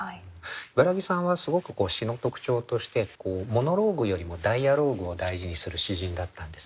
茨木さんはすごく詩の特徴としてモノローグよりもダイアローグを大事にする詩人だったんですね。